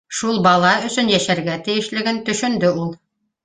шул бала өсөн йәшәргә тейешлеген төшөндө ул